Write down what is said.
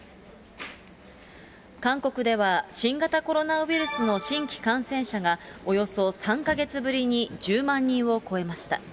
韓国では新型コロナウイルスの新規感染者が、およそ３か月ぶりに１０万人を超えました。